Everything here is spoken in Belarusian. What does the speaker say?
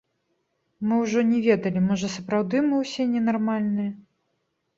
Мы ўжо не ведалі, можа сапраўды мы ўсе ненармальныя.